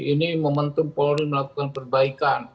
ini momentum polri melakukan perbaikan